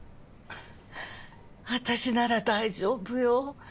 私なら大丈夫よ。